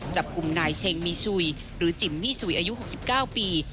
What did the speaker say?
จับกลุ่มนายเชงมีชุยหรือจิมมี่สุยอายุ๖๙ปี